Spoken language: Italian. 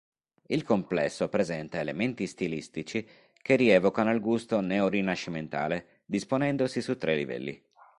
Il complesso presenta elementi stilistici che rievocano il gusto neorinascimentale, disponendosi su tre livelli.